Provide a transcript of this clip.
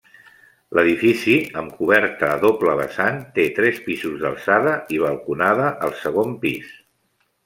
L'edifici, amb coberta a doble vessant, té tres pisos d'alçada, i balconada al segon pis.